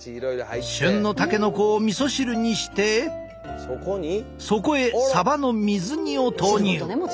旬のたけのこをみそ汁にしてそこへサバの水煮を投入。